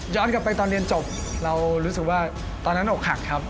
กลับไปตอนเรียนจบเรารู้สึกว่าตอนนั้นอกหักครับ